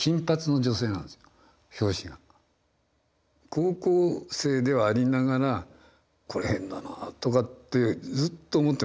高校生ではありながら「これ変だな」とかってずっと思ってました。